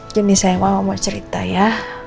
gini sayang mama mau cerita ya